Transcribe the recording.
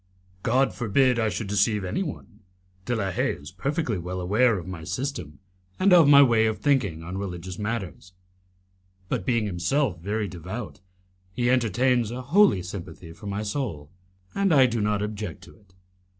"God forbid I should deceive anyone. De la Haye is perfectly well aware of my system, and of my way of thinking on religious matters, but, being himself very devout, he entertains a holy sympathy for my soul, and I do not object to it.